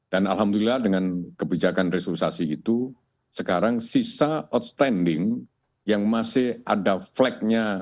dan alhamdulillah dengan kebijakan restrukturisasi itu sekarang sisa outstanding yang masih ada flag nya